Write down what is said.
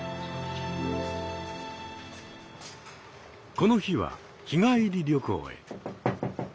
この日は日帰り旅行へ。